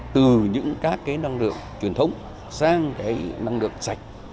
từ những các năng lượng truyền thống sang năng lượng sạch